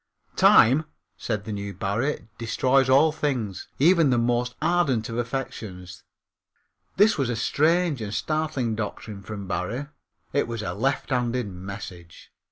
Time, said the new Barrie, destroys all things, even the most ardent of affections. This was a strange and startling doctrine from Barrie. It was a lefthanded message.